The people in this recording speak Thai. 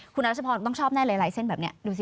คุณรัชพรต้องชอบแน่หลายเส้นแบบนี้ดูสิ